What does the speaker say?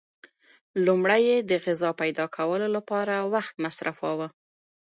لومړی یې د غذا پیدا کولو لپاره وخت مصرفاوه.